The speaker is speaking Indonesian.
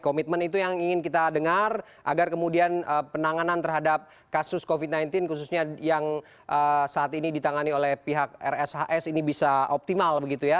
komitmen itu yang ingin kita dengar agar kemudian penanganan terhadap kasus covid sembilan belas khususnya yang saat ini ditangani oleh pihak rshs ini bisa optimal begitu ya